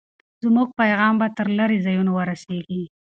زموږ پیغام به تر لرې ځایونو ورسېږي.